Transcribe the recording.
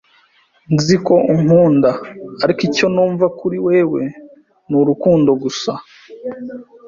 Nzi ko unkunda, ariko icyo numva kuri wewe ni urukundo gusa.